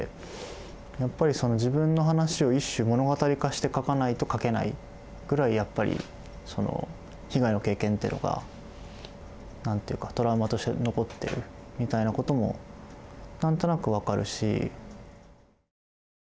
やっぱり自分の話を一種物語化して書かないと書けないぐらいやっぱりその被害の経験っていうのが何て言うかトラウマとして残ってるみたいなこともなんとなく分かるし。